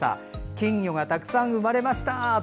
金魚がたくさん生まれました。